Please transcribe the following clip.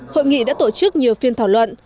hội nghị đã tổ chức nhiều phiên thảo luận